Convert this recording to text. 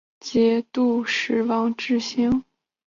银刀军是唐朝节度使王智兴所建立的亲军。